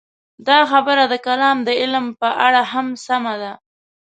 دا خبره د کلام د علم په اړه هم سمه ده.